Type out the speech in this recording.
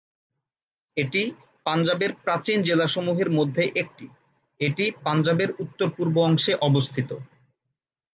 এটি পাঞ্জাবের প্রাচীন জেলাসমূহের মধ্যে একটি, এটি পাঞ্জাবের উত্তর-পূর্ব অংশে অবস্থিত।